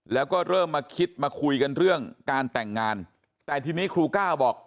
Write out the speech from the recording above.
แล้วก็เริ่มมาคิดมาคุยกันเรื่องการแต่งงานแต่ทีนี้ครูก้าวบอก